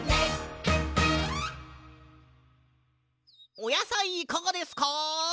おやさいいかがですか？